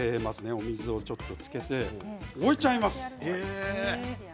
お水をつけて置いちゃいます。